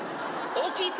起きて。